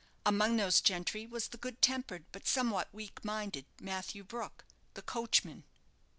Among those gentry was the good tempered, but somewhat weak minded, Matthew Brook, the coachman.